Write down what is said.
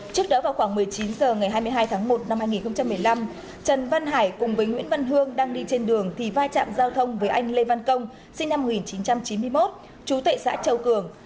trước đó vào khoảng một mươi chín h ngày hai mươi hai tháng một năm hai nghìn một mươi năm trần văn hải cùng với nguyễn văn hương đang đi trên đường thì va chạm giao thông với anh lê văn công sinh năm một nghìn chín trăm chín mươi một trú tại xã châu cường